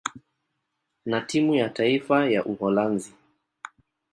na timu ya taifa ya Uholanzi.